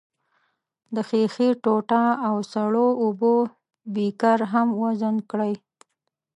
د ښيښې ټوټه او سړو اوبو بیکر هم وزن کړئ.